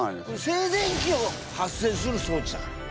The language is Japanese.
静電気を発生する装置だから。